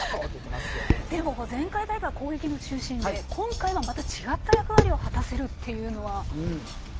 でも、前回大会は攻撃の中心で今回は違った役割を果たせるというのは。